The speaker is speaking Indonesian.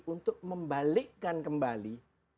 untuk membalikkan kembali